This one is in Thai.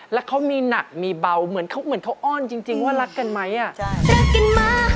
แล้วเขามีหนักมีเบาเหมือนเขาอ้อนจริงว่ารักกันไหม